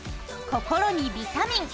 心にビタミン！